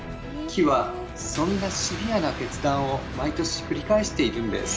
木はそんなシビアな決断を毎年繰り返しているんです。